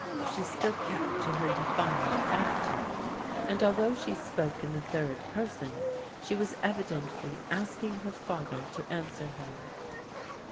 She still kept to her defiant atti tude, and although she spoke in the third person she was evidently asking her father to answer her.